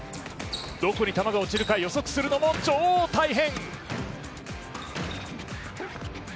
どこに球が落ちるか予測するのも超大変。